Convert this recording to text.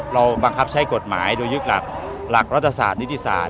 เราบังคับใช้กฎหมายโดยยึกหลักหลักรัฐศาสตร์ฤทธิศาสตร์